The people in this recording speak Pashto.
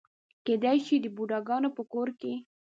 کېدای شي د بوډاګانو په کور کې.